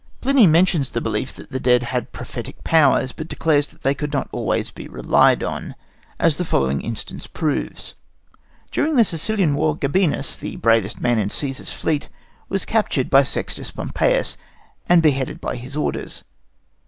Pliny mentions the belief that the dead had prophetic powers, but declares that they could not always be relied on, as the following instance proves. During the Sicilian war, Gabienus, the bravest man in Cæsar's fleet, was captured by Sextus Pompeius, and beheaded by his orders.